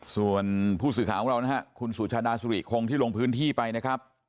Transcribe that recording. ส่วนผู้สื่อข่าวของเรานะฮะคุณสุชาดาสุริคงที่ลงพื้นที่ไปนะครับ